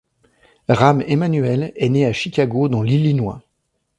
Rahm Emanuel est né à Chicago dans l'Illinois.